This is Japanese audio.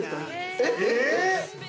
◆えっ！？